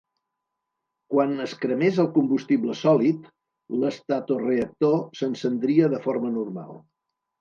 Quan es cremés el combustible sòlid, l'estatoreactor s'encendria de forma normal.